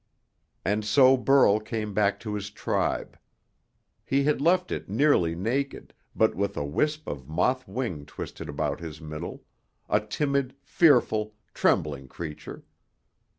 And so Burl came back to his tribe. He had left it nearly naked, with but a wisp of moth wing twisted about his middle, a timid, fearful, trembling creature.